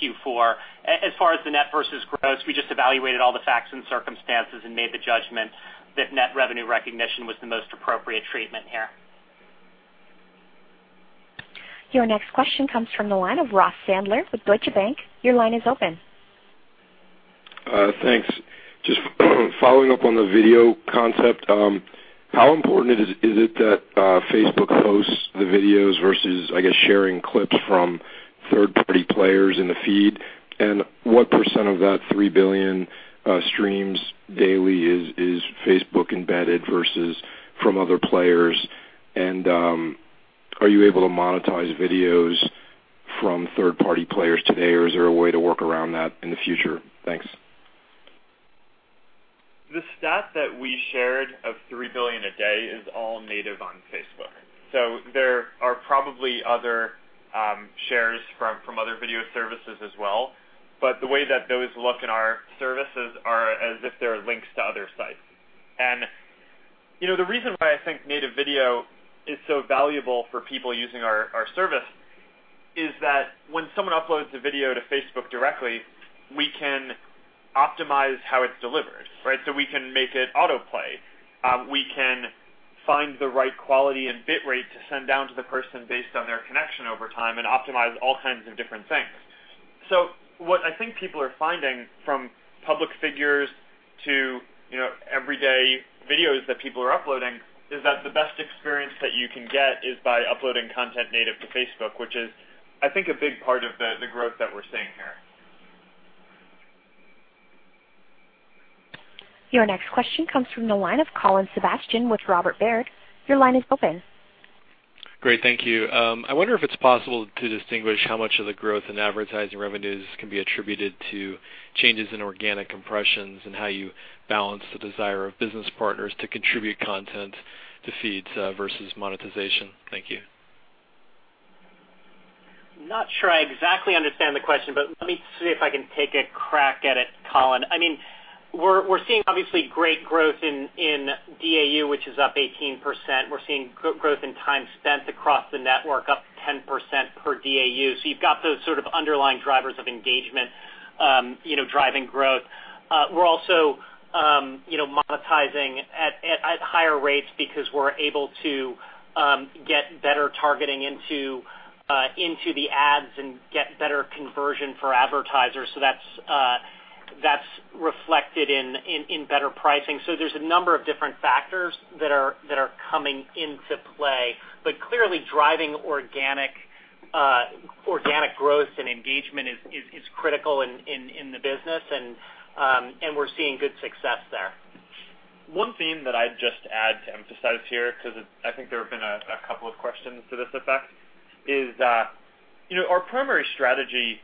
Q4. As far as the net versus gross, we just evaluated all the facts and circumstances and made the judgment that net revenue recognition was the most appropriate treatment here. Your next question comes from the line of Ross Sandler with Deutsche Bank. Your line is open. Thanks. Just following up on the video concept. How important is it that Facebook hosts the videos versus, I guess, sharing clips from third-party players in the feed? What % of that 3 billion streams daily is Facebook-embedded versus from other players? Are you able to monetize videos from third-party players today, or is there a way to work around that in the future? Thanks. The stat that we shared of 3 billion a day is all native on Facebook. There are probably other shares from other video services as well. The way that those look in our services are as if they're links to other sites. The reason why I think native video is so valuable for people using our service is that when someone uploads a video to Facebook directly, we can optimize how it's delivered, right? We can make it autoplay. We can find the right quality and bit rate to send down to the person based on their connection over time and optimize all kinds of different things. What I think people are finding from public figures to everyday videos that people are uploading is that the best experience that you can get is by uploading content native to Facebook, which is, I think, a big part of the growth that we're seeing here. Your next question comes from the line of Colin Sebastian with Robert W. Baird. Your line is open. Great. Thank you. I wonder if it's possible to distinguish how much of the growth in advertising revenues can be attributed to changes in organic impressions, and how you balance the desire of business partners to contribute content to feeds versus monetization. Thank you. Not sure I exactly understand the question, let me see if I can take a crack at it, Colin. We're seeing obviously great growth in DAU, which is up 18%. We're seeing growth in time spent across the network, up 10% per DAU. You've got those sort of underlying drivers of engagement driving growth. We're also monetizing at higher rates because we're able to get better targeting into the ads and get better conversion for advertisers. That's reflected in better pricing. There's a number of different factors that are coming into play. Clearly driving organic growth and engagement is critical in the business, and we're seeing good success there. One thing that I'd just add to emphasize here, because I think there have been a couple of questions to this effect, is our primary strategy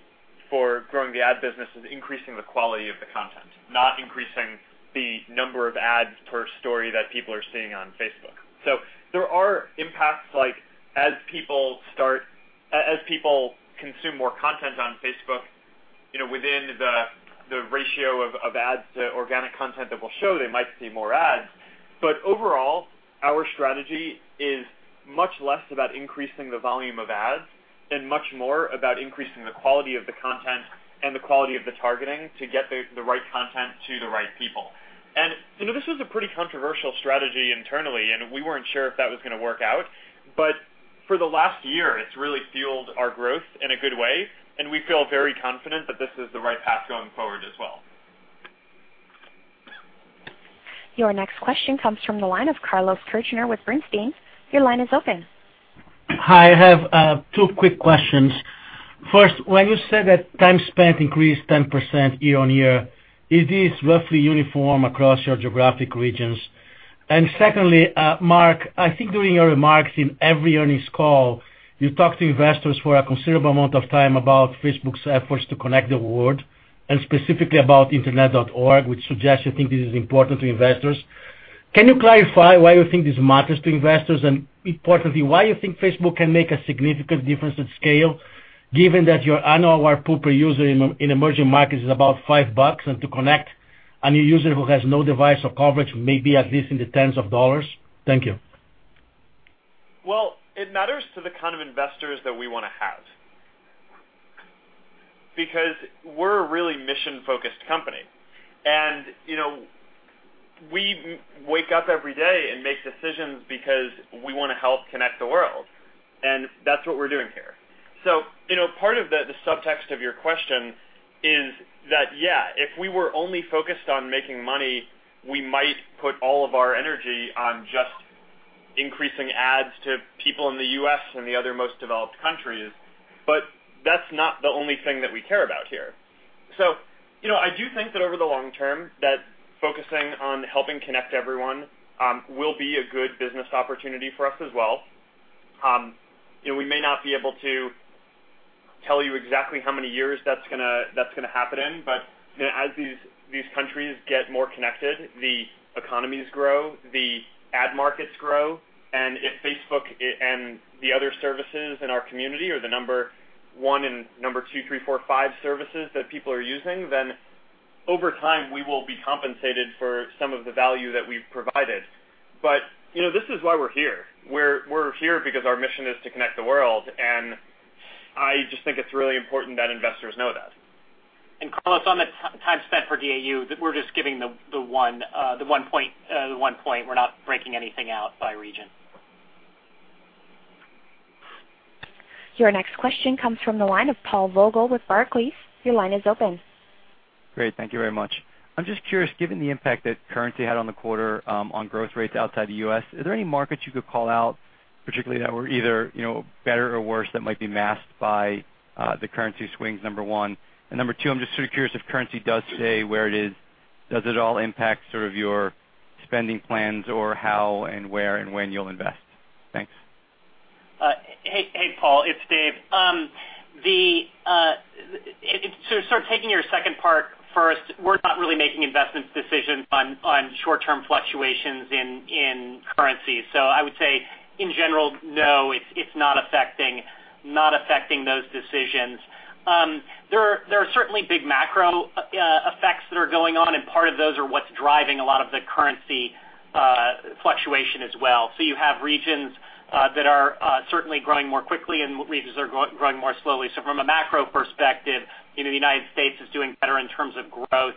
for growing the ad business is increasing the quality of the content, not increasing the number of ads per story that people are seeing on Facebook. There are impacts like as people consume more content on Facebook, within the ratio of ads to organic content that we'll show they might see more ads. Overall, our strategy is much less about increasing the volume of ads and much more about increasing the quality of the content and the quality of the targeting to get the right content to the right people. This was a pretty controversial strategy internally, and we weren't sure if that was going to work out. For the last year, it's really fueled our growth in a good way, and we feel very confident that this is the right path going forward as well. Your next question comes from the line of Carlos Kirjner with Bernstein. Your line is open. Hi, I have two quick questions. First, when you said that time spent increased 10% year-on-year, is this roughly uniform across your geographic regions? Secondly, Mark, I think during your remarks in every earnings call, you talk to investors for a considerable amount of time about Facebook's efforts to connect the world, and specifically about internet.org, which suggests you think this is important to investors. Can you clarify why you think this matters to investors? Importantly, why you think Facebook can make a significant difference at scale, given that your annual ARPU per user in emerging markets is about $5, and to connect a new user who has no device or coverage may be at least in the tens of dollars? Thank you. Well, it matters to the kind of investors that we want to have. Because we're a really mission-focused company. We wake up every day and make decisions because we want to help connect the world. That's what we're doing here. Part of the subtext of your question is that, yeah, if we were only focused on making money, we might put all of our energy on just increasing ads to people in the U.S. and the other most developed countries. That's not the only thing that we care about here. I do think that over the long term, that focusing on helping connect everyone will be a good business opportunity for us as well. We may not be able to tell you exactly how many years that's going to happen in, but as these countries get more connected, the economies grow, the ad markets grow, and if Facebook and the other services in our community are the number one and number two, three, four, five services that people are using, then over time, we will be compensated for some of the value that we've provided. This is why we're here. We're here because our mission is to connect the world, and I just think it's really important that investors know that. Carlos, on the time spent for DAU, we're just giving the one point. We're not breaking anything out by region. Your next question comes from the line of Paul Vogel with Barclays. Your line is open. Great. Thank you very much. I'm just curious, given the impact that currency had on the quarter on growth rates outside the U.S., are there any markets you could call out particularly that were either better or worse that might be masked by the currency swings, number one? Number two, I'm just sort of curious if currency does stay where it is, does it all impact sort of your spending plans or how and where and when you'll invest? Thanks. Hey, Paul. It's Dave. Sort of taking your second part first, we're not really making investment decisions on short-term fluctuations in currency. I would say, in general, no, it's not affecting those decisions. There are certainly big macro effects that are going on, and part of those are what's driving a lot of the currency fluctuation as well. You have regions that are certainly growing more quickly and regions that are growing more slowly. From a macro perspective, the United States is doing better in terms of growth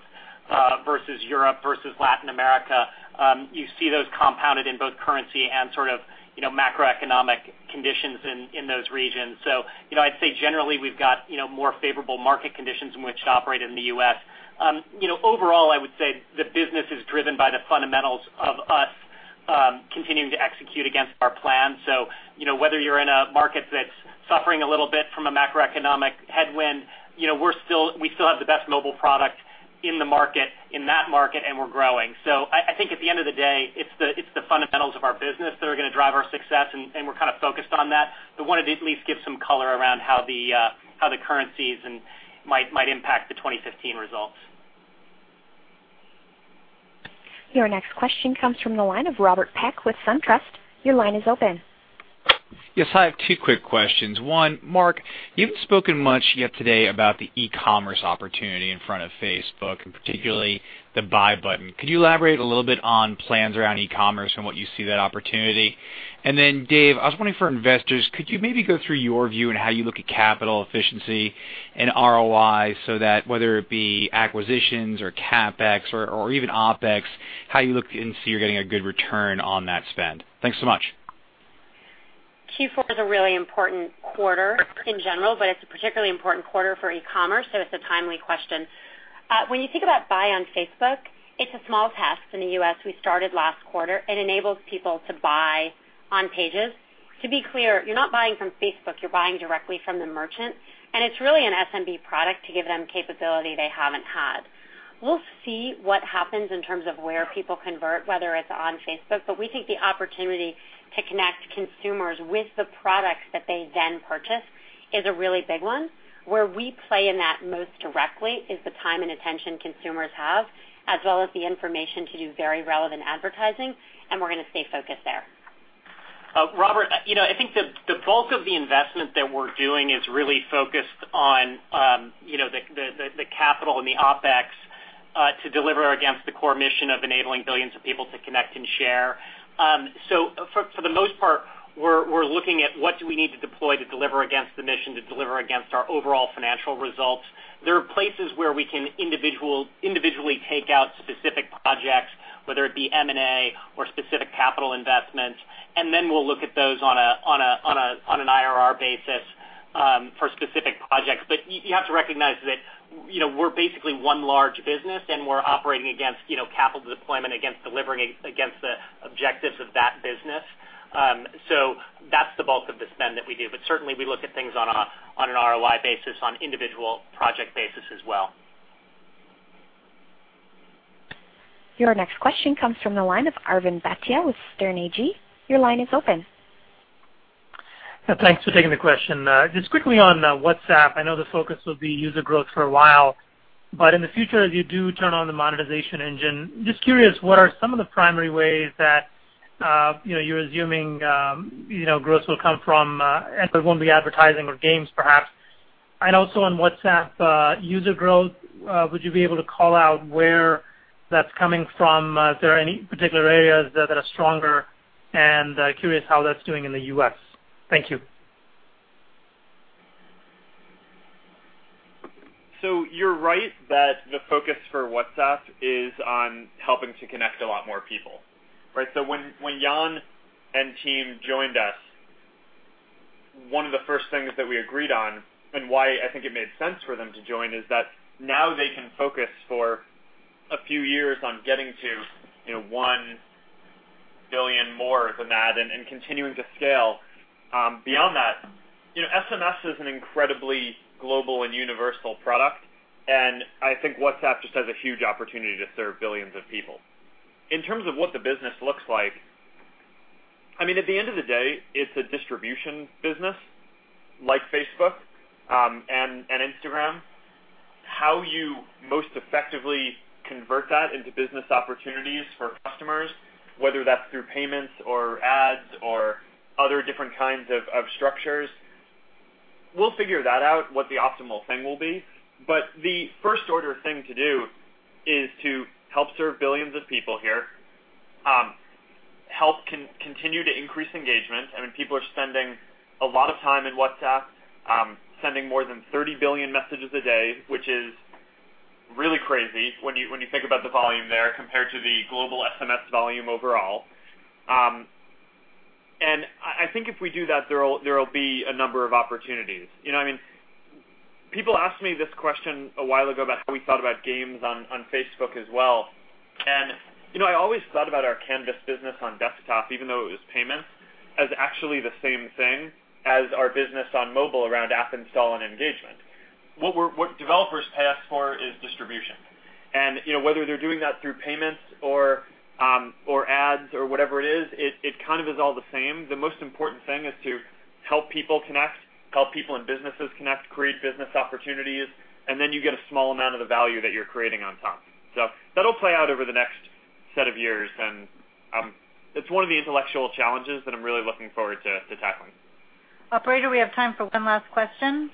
versus Europe, versus Latin America. You see those compounded in both currency and sort of macroeconomic conditions in those regions. I'd say generally, we've got more favorable market conditions in which to operate in the U.S. Overall, I would say the business is driven by the fundamentals of us continuing to execute against our plan. Whether you're in a market that's suffering a little bit from a macroeconomic headwind, we still have the best mobile product in that market, and we're growing. I think at the end of the day, it's the fundamentals of our business that are going to drive our success, and we're kind of focused on that. Wanted to at least give some color around how the currencies might impact the 2015 results. Your next question comes from the line of Robert Peck with SunTrust. Your line is open. Yes, I have two quick questions. One, Mark, you haven't spoken much yet today about the e-commerce opportunity in front of Facebook, and particularly the Buy button. Could you elaborate a little bit on plans around e-commerce and what you see that opportunity? Dave, I was wondering for investors, could you maybe go through your view on how you look at capital efficiency and ROI so that whether it be acquisitions or CapEx or even OpEx, how you look and see you're getting a good return on that spend? Thanks so much. Q4 is a really important quarter in general, but it's a particularly important quarter for e-commerce, so it's a timely question. When you think about Buy on Facebook, it's a small test in the U.S. we started last quarter. It enables people to buy on Pages. To be clear, you're not buying from Facebook, you're buying directly from the merchant, and it's really an SMB product to give them capability they haven't had. We'll see what happens in terms of where people convert, whether it's on Facebook. We think the opportunity to connect consumers with the products that they then purchase is a really big one. Where we play in that most directly is the time and attention consumers have, as well as the information to do very relevant advertising, and we're going to stay focused there. Robert, I think the bulk of the investment that we're doing is really focused on the capital and the OpEx to deliver against the core mission of enabling billions of people to connect and share. For the most part, we're looking at what do we need to deploy to deliver against the mission, to deliver against our overall financial results. There are places where we can individually take out specific projects, whether it be M&A or specific capital investments, we'll look at those on an IRR basis for specific projects. You have to recognize that we're basically one large business, and we're operating against capital deployment, against delivering against the objectives of that business. That's the bulk of the spend that we do. Certainly, we look at things on an ROI basis, on individual project basis as well. Your next question comes from the line of Arvind Bhatia with Sterne Agee. Your line is open. Thanks for taking the question. Quickly on WhatsApp, I know the focus will be user growth for a while, but in the future, as you do turn on the monetization engine, just curious, what are some of the primary ways that you're assuming growth will come from, it won't be advertising or games perhaps? Also on WhatsApp user growth, would you be able to call out where that's coming from? Is there any particular areas that are stronger? Curious how that's doing in the U.S. Thank you. You're right that the focus for WhatsApp is on helping to connect a lot more people, right? When Jan and team joined us, one of the first things that we agreed on, and why I think it made sense for them to join, is that now they can focus for a few years on getting to 1 billion more than that and continuing to scale. SMS is an incredibly global and universal product, and I think WhatsApp just has a huge opportunity to serve billions of people. In terms of what the business looks like, at the end of the day, it's a distribution business like Facebook and Instagram. How you most effectively convert that into business opportunities for customers, whether that's through payments or ads or other different kinds of structures, we'll figure that out, what the optimal thing will be. The first order thing to do is to help serve billions of people here, help continue to increase engagement. I mean, people are spending a lot of time in WhatsApp, sending more than 30 billion messages a day, which is really crazy when you think about the volume there compared to the global SMS volume overall. I think if we do that, there will be a number of opportunities. People asked me this question a while ago about how we thought about games on Facebook as well. I always thought about our canvas business on desktop, even though it was payments, as actually the same thing as our business on mobile around app install and engagement. What developers pay us for is distribution. Whether they're doing that through payments or ads or whatever it is, it kind of is all the same. The most important thing is to help people connect, help people and businesses connect, create business opportunities, and then you get a small amount of the value that you're creating on top. That'll play out over the next set of years, and it's one of the intellectual challenges that I'm really looking forward to tackling. Operator, we have time for one last question.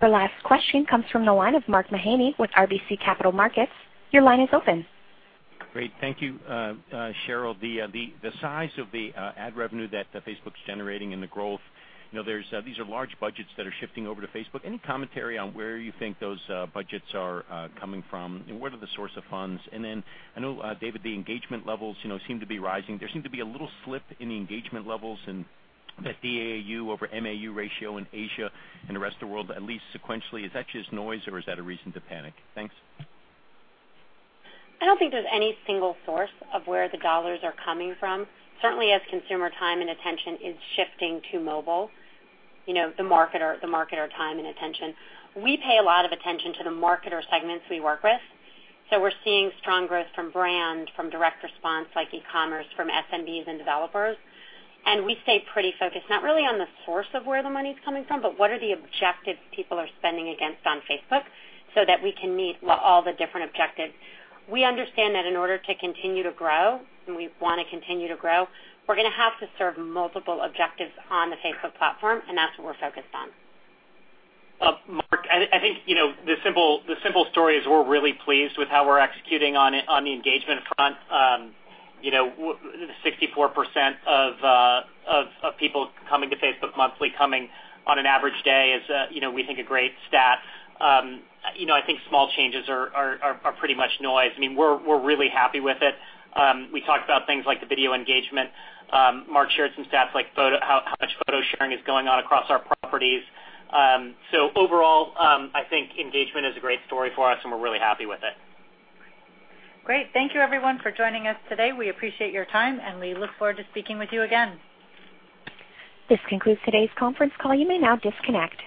The last question comes from the line of Mark Mahaney with RBC Capital Markets. Your line is open. Great. Thank you. Sheryl, the size of the ad revenue that Facebook's generating and the growth, these are large budgets that are shifting over to Facebook. Any commentary on where you think those budgets are coming from, and what are the source of funds? Then I know, Dave, the engagement levels seem to be rising. There seem to be a little slip in the engagement levels in the DAU over MAU ratio in Asia and the rest of the world, at least sequentially. Is that just noise or is that a reason to panic? Thanks. I don't think there's any single source of where the dollars are coming from. Certainly, as consumer time and attention is shifting to mobile, the marketer time and attention. We pay a lot of attention to the marketer segments we work with. We're seeing strong growth from brand, from direct response like e-commerce, from SMBs and developers. We stay pretty focused, not really on the source of where the money's coming from, but what are the objectives people are spending against on Facebook so that we can meet all the different objectives. We understand that in order to continue to grow, and we want to continue to grow, we're going to have to serve multiple objectives on the Facebook platform, that's what we're focused on. Mark, I think the simple story is we're really pleased with how we're executing on the engagement front. 64% of people coming to Facebook monthly, coming on an average day is we think a great stat. I think small changes are pretty much noise. We're really happy with it. We talked about things like the video engagement. Mark shared some stats like how much photo sharing is going on across our properties. Overall, I think engagement is a great story for us, and we're really happy with it. Great. Thank you everyone for joining us today. We appreciate your time. We look forward to speaking with you again. This concludes today's conference call. You may now disconnect.